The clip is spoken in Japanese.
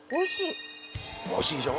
おいしいでしょ。